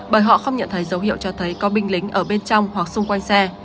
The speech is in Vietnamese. bởi họ không nhận thấy dấu hiệu cho thấy có binh lính ở bên trong hoặc xung quanh xe